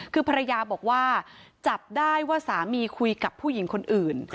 คือภรรยาบอกว่าจับได้ว่าสามีคุยกับผู้หญิงคนอื่น